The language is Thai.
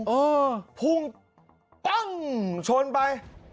มิ่งป๊องชนไป